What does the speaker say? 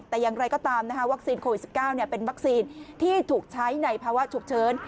แต่อย่างไรก็ตามวัคซีนโควิด๑๙เป็นวัคซีนที่ถูกใช้ในภาวะฉุกเฉิน